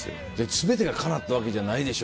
全てがかなったわけじゃないでしょ。